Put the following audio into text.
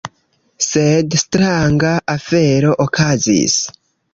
Sed stranga afero okazis.